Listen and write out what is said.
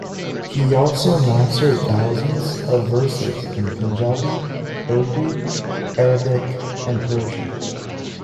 He also mastered thousands of verses in Punjabi, Urdu, Arabic and Persian.